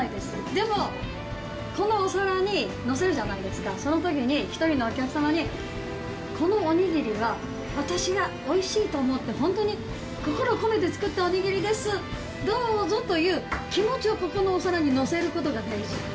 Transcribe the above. でも、このお皿に載せるじゃないですか、そのときに、１人のお客様に、このお握りは、私がおいしいと思って本当に心を込めて作ったお握りです、どうぞという気持ちを、ここのお皿に載せることが大事。